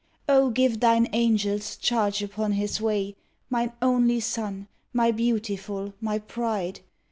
"Oh! give thine angels charge upon his way, Mine only son, my beautiful, my pride!